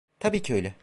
Tabii ki öyle.